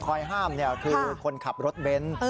หลีกลิ้งคอยห้ามคือคนขับรถเว้น